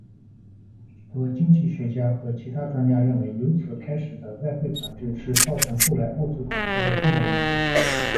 许多经济学家和其它专家认为由此开始的外汇管制是造成后来物资短缺的重要因素。